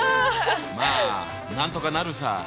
まあなんとかなるさ。